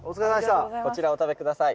こちらお食べ下さい。